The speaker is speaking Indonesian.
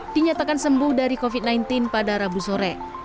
dinyatakan sembuh dari covid sembilan belas pada rabu sore